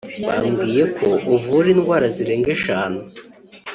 bamubwiye ko uvura indwara zirenga eshanu